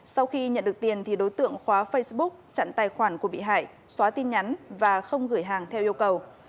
sau khi nhận được tiền thì đối tượng khóa facebook chặn tài khoản của bị hại xóa tin nhắn và không gửi hàng theo yêu cầu